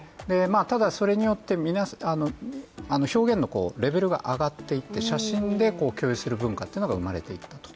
ただそれによって表現のレベルが上がっていって写真で共有する文化が生まれていると。